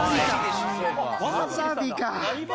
わさびか！